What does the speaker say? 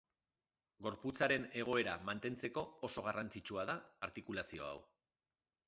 Gorputzaren egoera mantentzeko oso garrantzitsua da artikulazio hau.